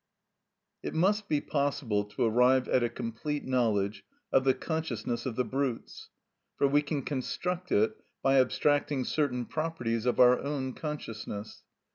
It must be possible to arrive at a complete knowledge of the consciousness of the brutes, for we can construct it by abstracting certain properties of our own consciousness.